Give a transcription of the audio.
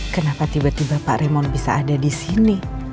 kenapa tiba tiba pak raymond bisa ada disini